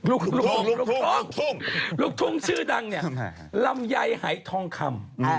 ลุกทุ่งชื่อดังนี่ลำไยหายทองคำ